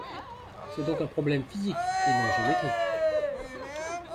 C'est donc un problème physique, et non géométrique.